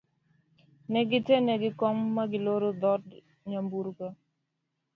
negithene gi kom ma giloro dhod nyamburko